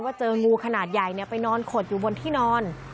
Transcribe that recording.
เจองูขนาดใหญ่ไปนอนขดอยู่บนที่นอน